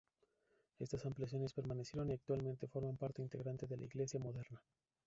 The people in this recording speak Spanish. Estas ampliaciones permanecieron y actualmente forman parte integrante de la iglesia moderna.